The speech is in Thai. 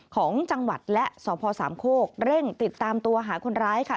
ของจังหวัดและสพสามโคกเร่งติดตามตัวหาคนร้ายค่ะ